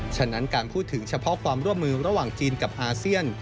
ฉะนั้นการพูดถึงเฉพาะความร่วมมือระหว่างจีนกับอาเซียน